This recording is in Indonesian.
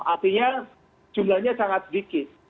artinya jumlahnya sangat sedikit